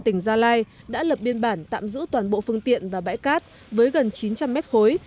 tỉnh gia lai đã lập biên bản tạm giữ toàn bộ phương tiện và bãi cát với gần chín trăm linh mét khối